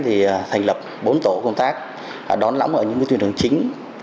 thì thành lập bốn tổ công tác đón lõng ở những tuyên đồng chính